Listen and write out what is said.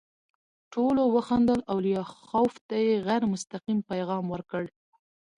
ټولو وخندل او لیاخوف ته یې غیر مستقیم پیغام ورکړ